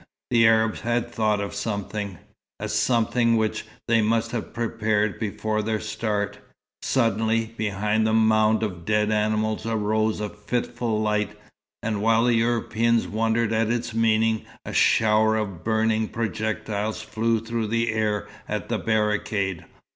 The Arabs had thought of something "a something" which they must have prepared before their start. Suddenly, behind the mound of dead animals arose a fitful light, and while the Europeans wondered at its meaning, a shower of burning projectiles flew through the air at the barricade.